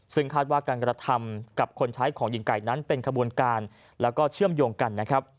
ซึ่งคาดว่าการกระทำกับคนใช้ของหญิงไก่นั้นเป็นขบวนการแล้วก็เชื่อมโยงกันนะครับ